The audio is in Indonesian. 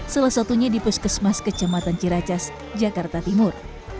salah satunya di puskesmas kecamatan ciracas jakarta timur